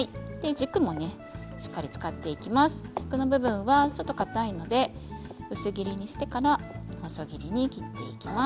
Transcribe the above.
軸の部分はちょっとかたいので薄切りにしてから細切りに切っていきます。